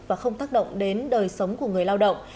và không tác động đến đời sống của người lao động